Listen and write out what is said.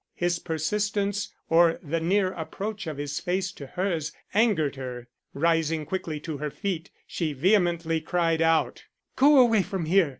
His persistence, or the near approach of his face to hers, angered her. Rising quickly to her feet, she vehemently cried out: "Go away from here.